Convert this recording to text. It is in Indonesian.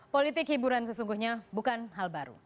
politik hiburan sesungguhnya bukan hal baru